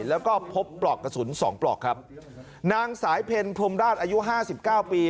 แล้วก็พบปลอกกระสุน๒ปลอกครับนางสายเพ็ญพรมราชอายุ๕๙ปี